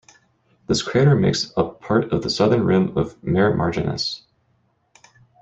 This crater makes up part of the southern rim of Mare Marginis.